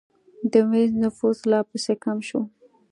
د وینز نفوس لا پسې کم شو